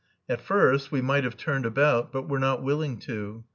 At first we might have turned about, but were not willing to.